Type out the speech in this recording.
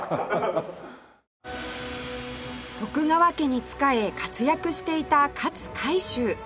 徳川家に仕え活躍していた勝海舟